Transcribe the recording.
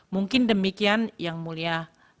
mungkin demikian yang mulia